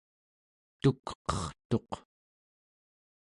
tukqertuq